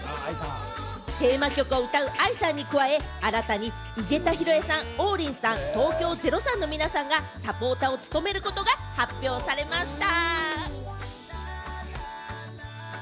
テーマ曲を歌うＡＩさんに加え、新たに井桁弘恵さん、王林さん、東京０３の皆さんがサポーターを務めることが発表されました。